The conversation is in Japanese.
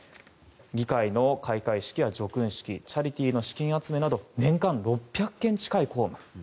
議会の開会式や叙勲式チャリティーの資金集めなど年間６００件近い公務。